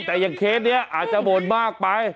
แต่อย่างเคสนี้อาจจะบ่นมากไป